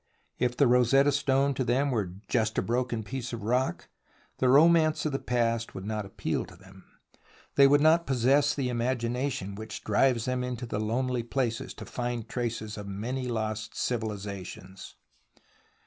If the Rosetta Stone to them were just a broken piece of rock, the romance of the past would not appeal to them. They would not possess the imagination which drives them into the lonely places to find traces of many lost civilizations.